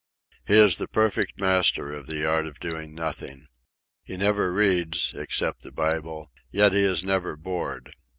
He is the perfect master of the art of doing nothing. He never reads, except the Bible; yet he is never bored.